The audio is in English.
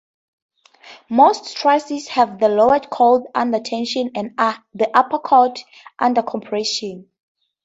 Most trusses have the lower chord under tension and the upper chord under compression.